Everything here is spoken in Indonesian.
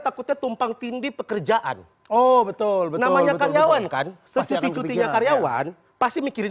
takutnya tumpang tindi pekerjaan oh betul namanya karyawan kan cuti cutinya karyawan pasti mikirin